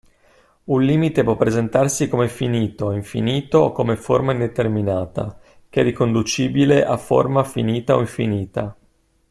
Un limite può presentarsi come finito, infinito o come forma indeterminata, che è riconducibile a forma finita o infinita.